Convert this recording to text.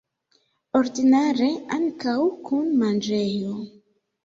Ordinare ankaŭ kun manĝejo.